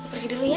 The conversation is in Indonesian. pergi dulu ya